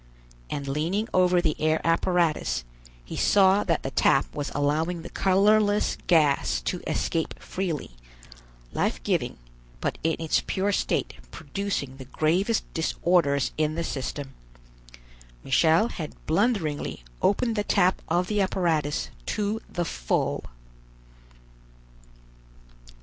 And leaning over the air apparatus, he saw that the tap was allowing the colorless gas to escape freely, life giving, but in its pure state producing the gravest disorders in the system. Michel had blunderingly opened the tap of the apparatus to the full.